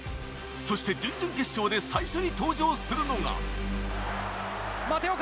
そして準々決勝で最初に登場するのが。